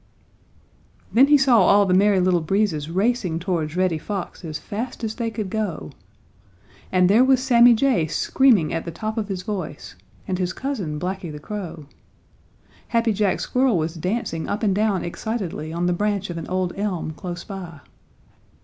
Then he saw all the Merry Little Breezes racing towards Reddy Fox as fast as they could go. And there was Sammy Jay screaming at the top of his voice, and his cousin, Blacky the Crow. Happy Jack Squirrel was dancing up and down excitedly on the branch of an old elm close by.